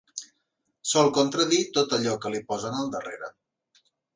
Sol contradir tot allò que li posen al darrere.